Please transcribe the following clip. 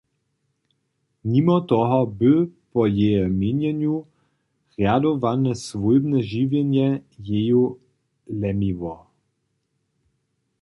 Nimo toho by po jeje měnjenju rjadowane swójbne žiwjenje jeju lemiło.